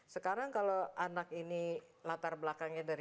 sekarang kalau anak ini latar belakangnya dari